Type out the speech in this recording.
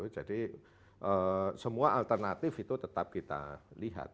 jadi semua alternatif itu tetap kita lihat